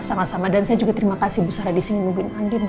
sama sama dan saya juga terima kasih bu sarah disini nungguin andien loh